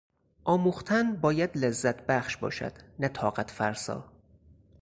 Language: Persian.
آموختن باید لذت بخش باشد نه طاقت فرسا.